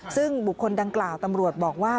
ซึ่งบุคคลดังกล่าวตำรวจบอกว่า